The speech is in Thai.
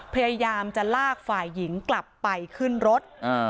พยายามจะลากฝ่ายหญิงกลับไปขึ้นรถ